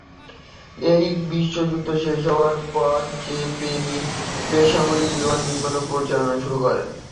প্রথম বিশ্বযুদ্ধ শেষ হওয়ার পর জেপেলিন বেসামরিক বিমান নির্মাণ ও পরিচালনা শুরু করেন।